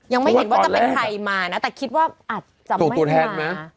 ยังไม่เห็นว่าจะเป็นใครมานะแต่คิดว่าอาจจะไม่ตัวแทนนะ